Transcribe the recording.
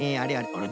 あれ。